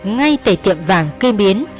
ngay tại tiệm vàng kê biến